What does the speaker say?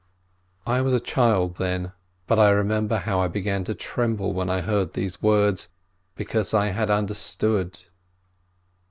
I was a child then, but I remember how I began to tremble when I heard these words, because I had under stood.